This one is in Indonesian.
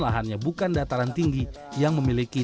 lahannya bukan dataran tinggi yang memiliki